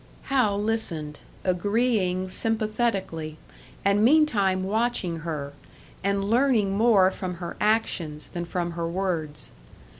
Hal listened, agreeing sympathetically, and meantime watching her, and learning more from her actions than from her words.